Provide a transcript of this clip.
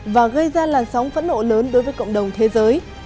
và gây ra làn sóng phẫn nộ lớn đối với cộng đồng thế giới